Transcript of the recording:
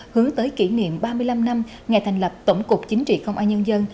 hướng tới kỷ niệm ba mươi năm năm ngày thành lập tổng cục chính trị công an nhân dân